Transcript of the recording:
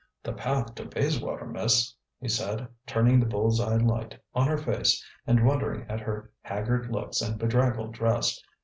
"The path to Bayswater, miss," he said, turning the bull's eye light on her face and wondering at her haggard looks and bedraggled dress.